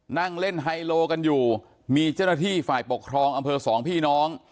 นั่งเล่นไฮโลกันอยู่มีเจ้าหน้าที่ฝ่ายปกครองอำเภอสองพี่น้อง